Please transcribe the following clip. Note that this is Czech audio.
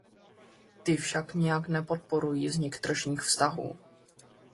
Ty však nijak nepodporují vznik tržních vztahů.